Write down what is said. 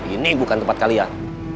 ini bukan tempat kalian